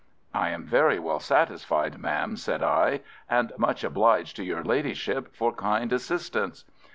"I am very well satisfied, ma'am," said I, "and much obliged to your Ladyship for kind assistance."